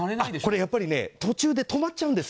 これやっぱり途中で止まっちゃうんですよ。